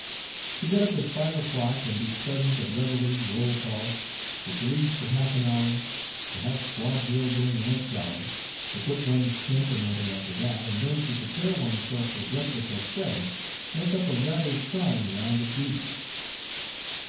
To get up at five o'clock and be present at reveille roll call, to police for half an hour, to have squad drill during the next hour, to put one's tent in order after that, and then to prepare one's self for breakfast at seven, make up a rather trying round of duties.